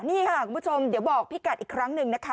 นี่ค่ะคุณผู้ชมเดี๋ยวบอกพี่กัดอีกครั้งหนึ่งนะคะ